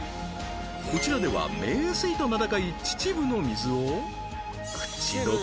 こちらでは名水と名高い秩父の水を口溶け